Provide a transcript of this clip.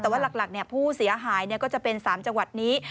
แต่ว่าหลักผู้เสียหายก็จะเป็น๓จังหวัดนี้